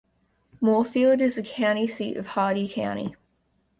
Moorefield is the county seat of Hardy County.